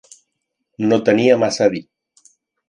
No tenia massa a dir.